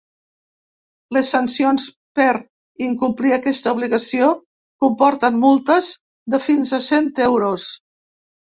Les sancions per incomplir aquesta obligació comporten multes de fins a cent euros.